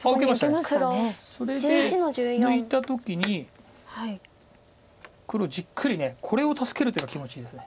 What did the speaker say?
それで抜いた時に黒じっくりこれを助ける手が気持ちいいです。